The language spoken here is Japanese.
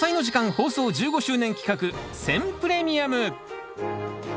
放送１５周年企画選プレミアム。